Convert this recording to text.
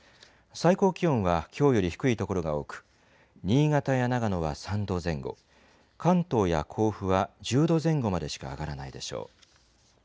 最高気温はきょうより低い所が多く、新潟や長野は３度前後、関東や甲府は１０度前後までしか上がらないでしょう。